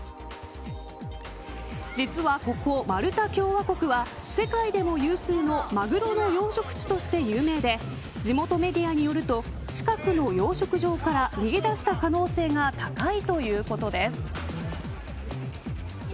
実はここマルタ共和国は世界でも有数のマグロの養殖地として有名で地元メディアによると近くの養殖場から逃げ出した可能性が高いということです。